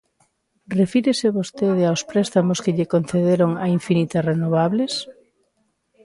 ¿Refírese vostede aos préstamos que lle concederon a Infinita Renovables?